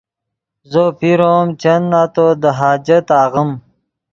زو پیرو ام چند نتو دے حاجت آغیم